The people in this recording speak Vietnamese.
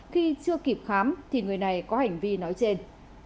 khi chưa kịp khám thì người này có hành vi nói trên